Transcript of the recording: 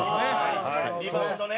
山崎：リバウンドね。